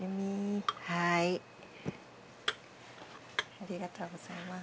ありがとうございます。